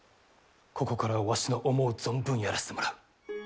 ここからわしの思う存分やらせてもらう。